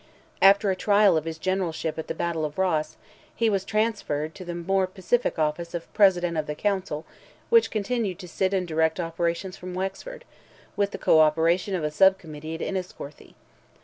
After a trial of his generalship at the battle of Ross, he was transferred to the more pacific office of President of the Council, which continued to sit and direct operations from Wexford, with the co operation of a sub committee at Enniscorthy.